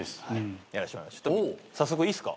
早速いいっすか？